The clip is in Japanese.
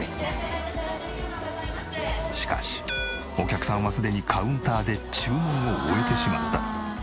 しかしお客さんはすでにカウンターで注文を終えてしまった。